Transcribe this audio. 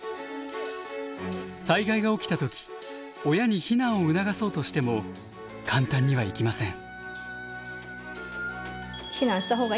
災害が起きた時親に避難を促そうとしても簡単にはいきません。